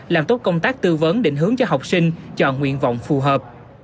làm tốt công tác tư vấn định hướng cho học sinh chọn nguyện vọng phù hợp